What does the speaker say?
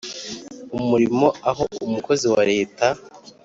umurimo aho umukozi wa Leta